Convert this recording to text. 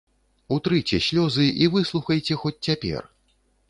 Утрыце слёзы і выслухайце хоць цяпер.